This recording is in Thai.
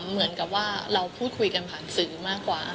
เหมือนกับว่าเราพูดคุยกันผ่านสื่อมากกว่า